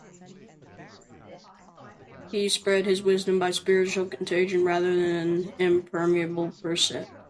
He spread his wisdom by spiritual contagion rather than impermeable precept.